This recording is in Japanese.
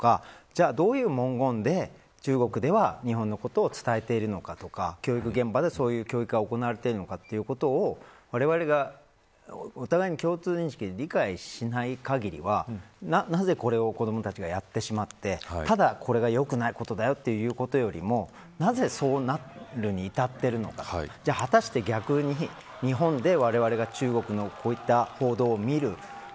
どういう文言で中国では日本のことを伝えているのかとか教育現場で、そういう教育がどのように行われてるのかお互いに共通認識で理解しない限りはなぜこれを子どもたちがやってしまってこれが良くないことだよということよりなぜ、そうなるに至っているのか逆に日本でわれわれが中国のこういった報道を見る。